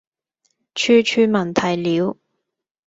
處處聞啼鳥